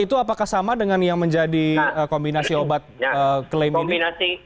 itu apakah sama dengan yang menjadi kombinasi obat klaim ini